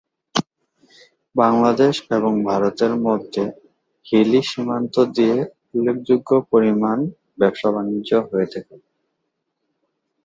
বাংলাদেশ এবং ভারতের মধ্যে হিলি সীমান্ত দিয়ে উল্লেখযোগ্য পরিমাণ ব্যবসা-বাণিজ্য হয়ে থাকে।